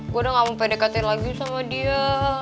gue udah gak mau pdkt lagi sama dia